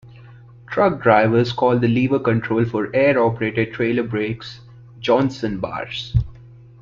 Truck drivers call the lever control for air-operated trailer brakes "Johnson bars".